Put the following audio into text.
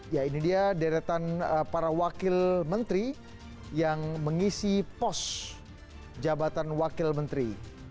ya ini dia deretan para wakil menteri yang mengisi pos jabatan wakil menteri